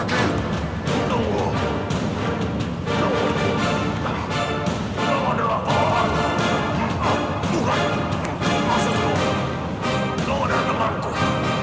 kau tidak akan selalu membasuh tiga